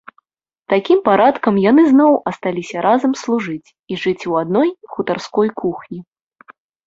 Такім парадкам яны зноў асталіся разам служыць і жыць у адной хутарской кухні.